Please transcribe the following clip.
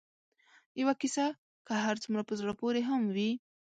یوه کیسه که هر څومره په زړه پورې هم وي